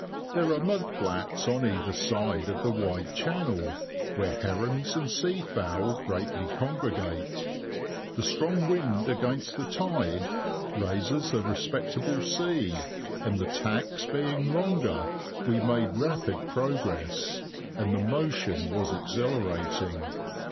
There are mud flats on either side of the wide channel, where herons and sea fowl greatly congregate. The strong wind against the tide raises a respectable sea, and the tacks being longer we made rapid progress, and the motion was exhilarating.